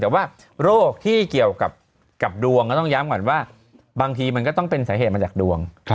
แต่ว่าโรคที่เกี่ยวกับดวงก็ต้องย้ำก่อนว่าบางทีมันก็ต้องเป็นสาเหตุมาจากดวง